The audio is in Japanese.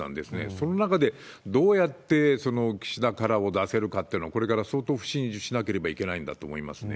その中で、どうやって岸田カラーを出せるかというのは、これから相当腐心しなければいけないんだと思いますね。